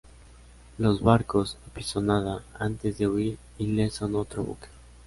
Los barcos apisonada, antes de huir ileso en otro buque.